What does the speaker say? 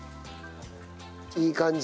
いい感じ。